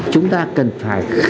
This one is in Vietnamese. chúng ta cần phải khai thác